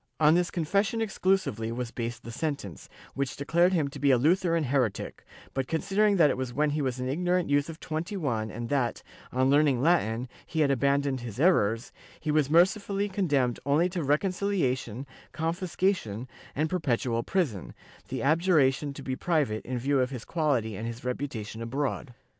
On this confession exclusively was based the sentence, which declared him to be a Lutheran heretic, but con sidering that it was when he was an ignorant youth of 21 and that, on learning Latin, he had abandoned his errors, he was mercifully condemned only to reconciliation, confiscation, and perpetual prison, the abjuration to be private in view of his quality and his reputation abroad.